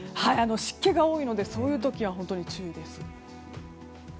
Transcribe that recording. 湿気が多いのでそういう時は本当に注意です。